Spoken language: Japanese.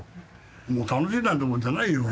もう楽しいなんてもんじゃないよ。